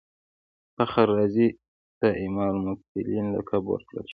فخر رازي ته امام المتکلمین لقب ورکړل شو.